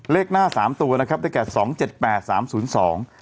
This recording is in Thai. เลขหน้าสามตัวนะครับได้แก่สองเจ็ดแปดสามศูนย์สอง